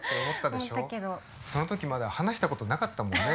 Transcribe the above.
そのときまだ話したことなかったもんね。